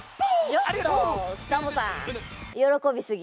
ちょっとサボさんよろこびすぎ。